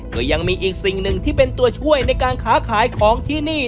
ก็ยังมีอีกสิ่งหนึ่งที่เป็นตัวช่วยในการค้าขายของที่นี่